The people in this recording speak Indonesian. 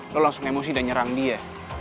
lo langsung emosi dan nyerang dia